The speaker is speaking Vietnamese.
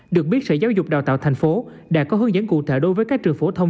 được biết sở giáo dục đào tạo thành phố đã có hướng dẫn cụ thể đối với các trường phổ thông